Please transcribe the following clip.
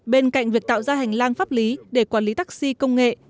bên cạnh việc tạo ra hành lang pháp lý để quản lý taxi công nghệ